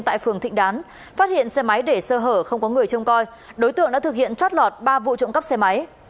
tại phường thịnh đán phát hiện xe máy để sơ hở không có người trông coi đối tượng đã thực hiện trót lọt ba vụ trộm cắp xe máy